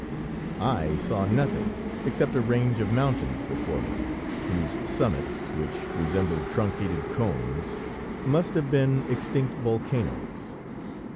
I saw nothing except a range of mountains before me, whose summits, which resembled truncated cones, must have been extinct volcanoes.